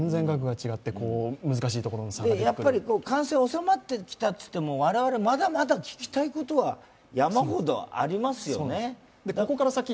感染が収まってきたといっても我々まだまだ聞きたいことは山ほどありますよね。